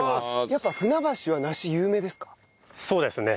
やっぱ船橋は梨有名ですか？